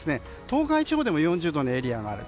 東海地方でも４０度のエリアがある。